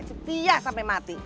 setia sampai mati